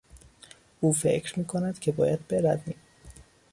او فکر میکند که باید برویم.